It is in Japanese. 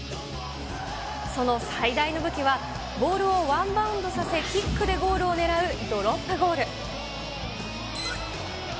その最大の武器は、ボールをワンバウンドさせキックでゴールを狙う、ドロップゴール。